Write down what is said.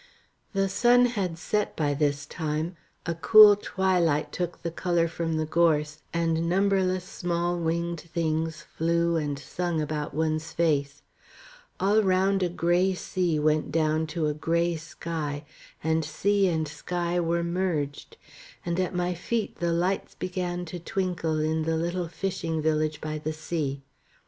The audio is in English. The sun had set by this time, a cool twilight took the colour from the gorse, and numberless small winged things flew and sung about one's face; all round a grey sea went down to a grey sky, and sea and sky were merged; and at my feet the lights began to twinkle in the little fishing village by the sea.